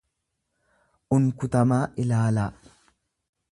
unkutamaa ilaalaa.